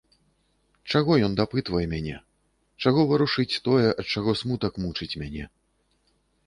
Чаго ён дапытвае мяне, чаго варушыць тое, ад чаго смутак мучыць мяне.